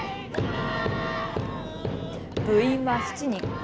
部員は７人。